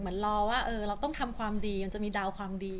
รอว่าเราต้องทำความดีมันจะมีดาวความดี